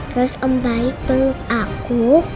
terus om baik beluk aku